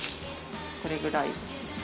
これくらい。